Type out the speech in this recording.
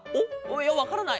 いやわからない。